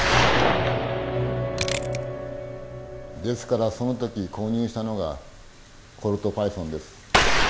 ですからその時購入したのがコルトパイソンです。